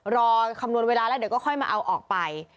รอคำนวณเวลาแล้วเดี๋ยวก็ค่อยมาเอาออกไป